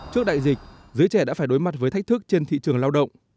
trước đại dịch giới trẻ đã phải đối mặt với thách thức trên thị trường lao động